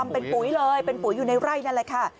เป็นปุ๋ยเลยเป็นปุ๋ยอยู่ในไร่นั่นแหละค่ะ